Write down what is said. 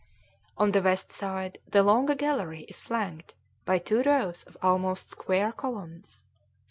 On the west side, the long gallery is flanked by two rows of almost square columns.